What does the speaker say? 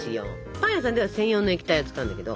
パン屋さんでは専用の液体を使うんだけど。